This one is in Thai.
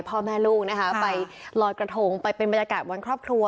พ่อแม่ลูกนะคะไปลอยกระทงไปเป็นบรรยากาศวันครอบครัว